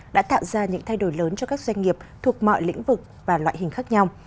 đã tạo ra những thay đổi lớn cho các doanh nghiệp thuộc mọi lĩnh vực và loại hình khác nhau